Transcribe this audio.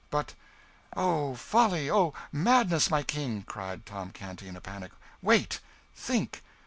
But " "Oh, folly, oh, madness, my King!" cried Tom Canty, in a panic, "wait! think!